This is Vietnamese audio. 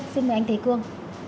xin mời anh thế kương